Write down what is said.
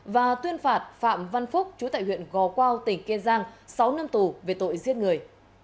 và tuyên phạt phạm văn phúc chú tại huyện gò quao tỉnh kiên giang sáu năm tù về tội giết người